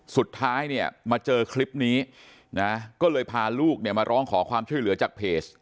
สุดท้ายเนี่ยมาเจอคลิปนี้นะก็เลยพาลูกเนี่ยมาร้องขอความช่วยเหลือจากเพจ